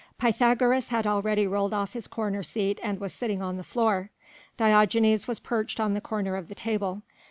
Pythagoras had already rolled off his corner seat and was sitting on the floor; Diogenes was perched on the corner of the table.